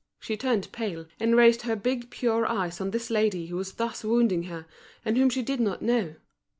She turned pale, and raised her big, pure eyes on this lady who was thus wounding her, and whom she did not know.